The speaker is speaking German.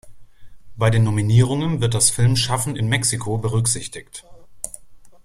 Bei den Nominierungen wird das Filmschaffen in Mexiko berücksichtigt.